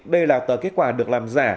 đây là tờ kết quả được làm giả